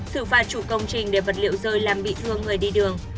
xử phạt chủ công trình để vật liệu rơi làm bị thương người đi đường